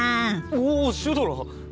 おおシュドラ！